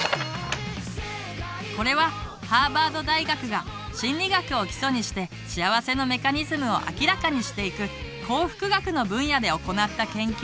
これはハーバード大学が心理学を基礎にして幸せのメカニズムを明らかにしていく「幸福学」の分野で行った研究。